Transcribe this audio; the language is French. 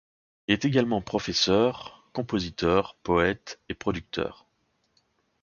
Il est également professeur, compositeur, poète, et producteur.